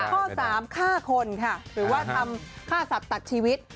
ข้อ๓ฆ่าคนค่ะหรือว่าทำฆ่าสัตว์ตัดชีวิต